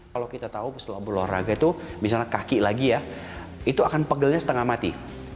kalau kita tahu setelah berolahraga itu misalnya kaki lagi ya itu akan pegelnya setengah mati